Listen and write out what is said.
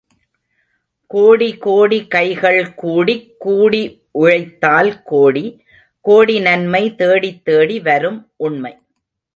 கோடி கோடி கைகள், கூடிக் கூடி உழைத்தால் கோடி, கோடி நன்மை, தேடித்தேடி வரும் உண்மை.